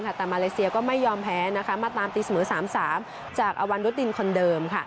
แต่มาเลเซียก็ไม่ยอมแพ้มาตามตีเสมอ๓๓จากอวันรุตินคนเดิม